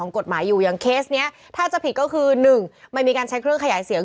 กฎหมายอยู่อย่างเคสนี้ถ้าจะผิดก็คือ๑มันมีการใช้เครื่องขยายเสียง